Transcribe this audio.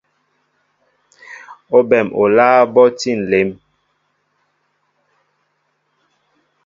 Óɓem oláá ɓɔ tí nlem.